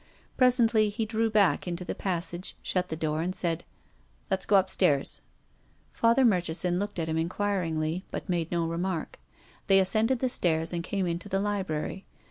Presently he drew back into the passage, shut the door, and said, " Let's go upstairs." Father Murchison looked at him enquiringly, but made no remark. They ascended the stairs and came into the library.